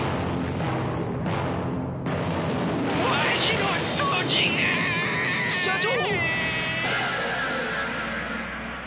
わしの土地が！社長！